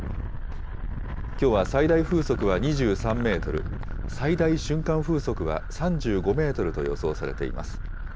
きょうは最大風速は２３メートル、最大瞬間風速は３５メートルと予想されています。